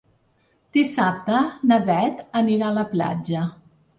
Dissabte na Beth anirà a la platja.